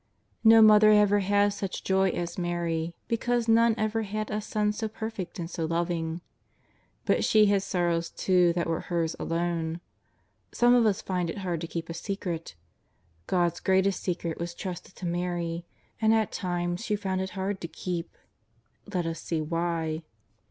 'No mother ever had such joy as Mary, because none ever had a son so perfect and so loving. But she had sorrows too that were hers alone. Some of us find it hard to keep a secret. God's greatest secret was trusted to Mary, and at times she found it hard to keep. Let us see why.